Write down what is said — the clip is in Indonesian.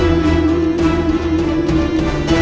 aku sudah melakukannya